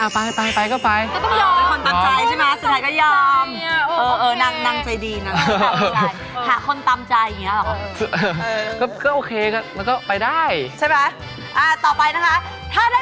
ผมเล่นซ้ำไว้นะ